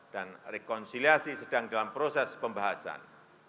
dan rekonsiliasi sedang dalam proses pembahasan